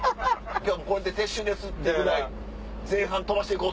今日はもうこれで撤収です」ってぐらい前半飛ばして行こう！